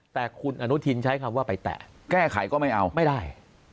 แต่คุณอนุทินใช้คำว่าไปแตะแก้ไขก็ไม่เอาไม่ได้